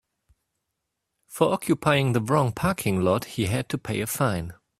For occupying the wrong parking lot he had to pay a fine.